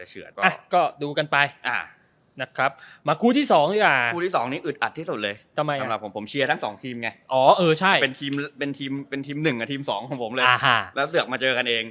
เอออาจจะเฉือน